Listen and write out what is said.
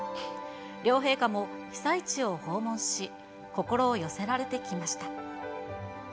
両陛下も被災地を訪問し、心を寄せられてきました。